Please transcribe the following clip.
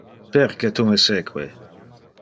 Perque tu me seque?